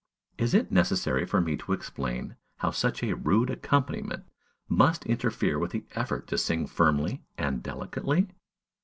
Is it necessary for me to explain how such a rude accompaniment must interfere with the effort to sing firmly and delicately?